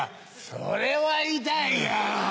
それは痛いやろ。